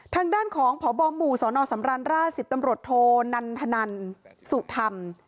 ทางด้านของพบหมู่สนสำราญราช๑๐ตำรวจโทนันทนันสุธรรม